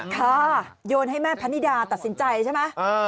โยนให้แม่พะนิดาตัดสินใจใช่ไหม